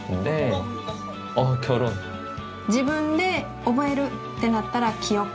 自分で覚えるってなったら。